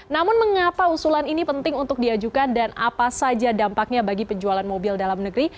namun mengapa usulan ini penting untuk diajukan dan apa saja dampaknya bagi penjualan mobil dalam negeri